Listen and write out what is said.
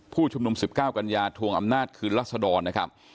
ผู้ชุมนุม๑๙กันยาทวงอำนาจคืนรัศดรนะครับ